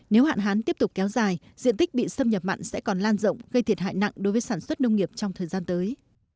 nếu hạn hán tiếp tục kéo dài diện tích bị xâm nhập mặn sẽ còn lan rộng gây thiệt hại nặng đối với sản xuất nông nghiệp trong thời gian tới